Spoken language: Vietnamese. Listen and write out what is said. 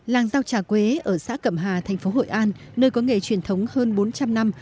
làng rau trà quế ở xã cẩm hà thành phố hội an nơi có nghề truyền thống hơn bốn trăm linh năm